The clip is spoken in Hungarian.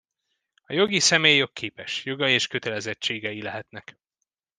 A jogi személy jogképes: jogai és kötelezettségei lehetnek.